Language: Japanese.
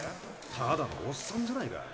ただのおっさんじゃないか。